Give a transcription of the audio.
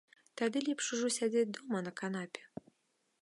Тады лепш ужо сядзець дома на канапе.